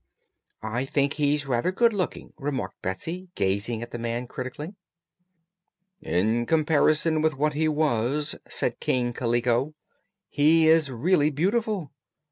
"I think he's rather good looking," remarked Betsy, gazing at the man critically. "In comparison with what he was," said King Kaliko, "he is really beautiful.